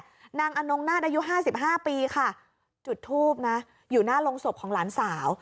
นั่นแหละนางอนงนาฏอายุ๕๕ปีค่ะจุดทูปนะอยู่หน้าลงศพของหลานสาว